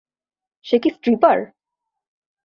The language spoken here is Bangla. সে কি স্ট্রিপার?